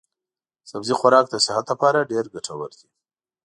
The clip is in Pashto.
سبزي خوراک د صحت لپاره ډېر ګټور دی.